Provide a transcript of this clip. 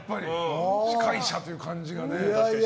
司会者という感じがしますね。